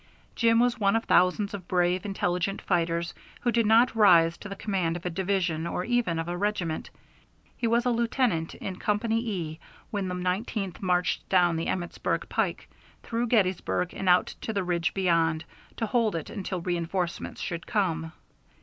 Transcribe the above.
Jim was one of thousands of brave, intelligent fighters who did not rise to the command of a division or even of a regiment. He was a lieutenant in Company E when the Nineteenth marched down the Emmittsburg Pike, through Gettysburg and out to the ridge beyond, to hold it until reenforcements should come.